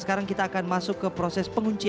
sekarang kita akan masuk ke pertanyaan yang terakhir